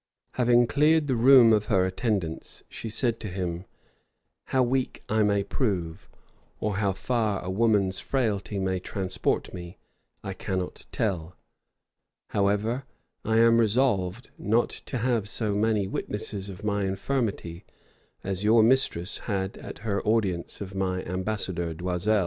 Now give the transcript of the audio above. Having cleared the room of her attendants, she said to him, "How weak I may prove, or how far a woman's frailty may transport me, I cannot tell: however, I am resolved not to have so many witnesses of my infirmity as your mistress had at her audience of my ambassador D'Oisel.